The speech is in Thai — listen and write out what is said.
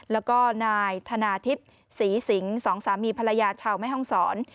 แล้วก็นายธนาทิพย์ศรีสิงสองสามีภรรยาชาวแม่ห้องศร